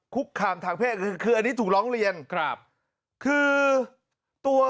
คุกคามทางเพศคือคืออันนี้ถูกร้องเรียนครับคือตัว